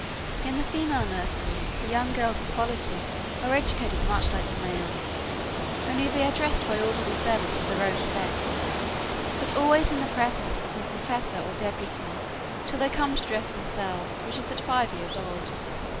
In the female nurseries, the young girls of quality are educated much like the males, only they are dressed by orderly servants of their own sex; but always in the presence of a professor or deputy, till they come to dress themselves, which is at five years old.